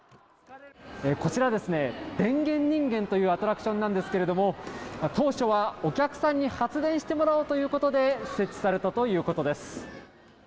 こちら、電源人間のというアトラクションなんですけれども当初は、お客さんに発電してもらおうということで、設置されたということです。